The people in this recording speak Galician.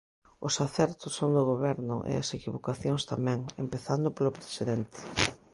Os acertos son do goberno e as equivocacións tamén, empezando polo presidente.